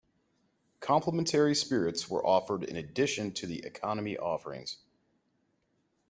Complimentary spirits were offered in addition to the economy offerings.